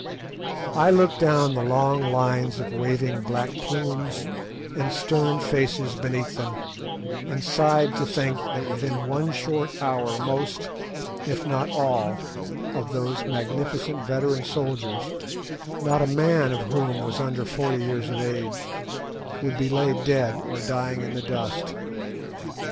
I looked down the long lines of waving black plumes and stern faces beneath them, and sighed to think that within one short hour most, if not all, of those magnificent veteran warriors, not a man of whom was under forty years of age, would be laid dead or dying in the dust.